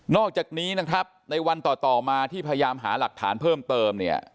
อกจากนี้นะครับในวันต่อมาที่พยายามหาหลักฐานเพิ่มเติมเนี่ย